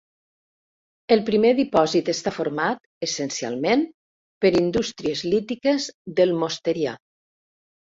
El primer dipòsit està format, essencialment, per indústries lítiques del mosterià.